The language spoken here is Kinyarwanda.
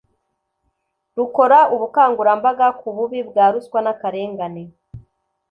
rukora ubukangurambaga ku bubi bwa ruswa n akarengane